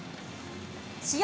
試合